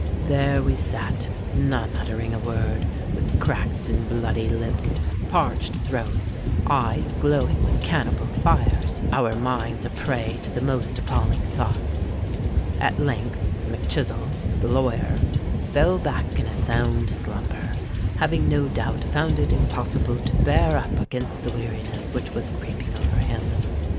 There we sate—none uttering a word,—with cracked and bloody lips—parched throats—eyes glowing with cannibal fires,—our minds a prey to the most appalling thoughts. At length Mac Chizzle, the lawyer, fell back in a sound slumber, having no doubt found it impossible to bear up against the weariness which was creeping over him.